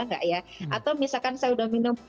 enggak ya atau misalkan saya udah minum